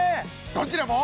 どちらも。